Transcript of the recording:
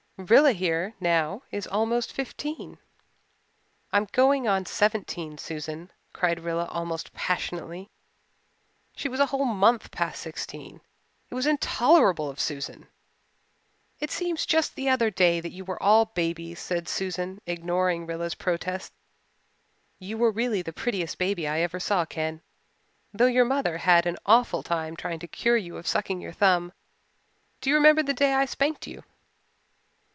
Rilla here, now, is almost fifteen." "I'm going on seventeen, Susan," cried Rilla almost passionately. She was a whole month past sixteen. It was intolerable of Susan. "It seems just the other day that you were all babies," said Susan, ignoring Rilla's protest. "You were really the prettiest baby I ever saw, Ken, though your mother had an awful time trying to cure you of sucking your thumb. Do you remember the day I spanked you?"